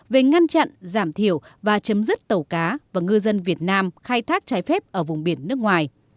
về ngăn chặn giảm thiểu và chấm dứt tàu cá và ngư dân việt nam khai thác trái phép ở vùng biển nước ngoài